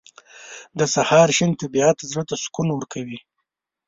• د سهار شین طبیعت زړه ته سکون ورکوي.